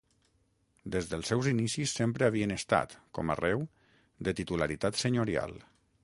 Des dels seus inicis sempre havien estat, com arreu, de titularitat senyorial.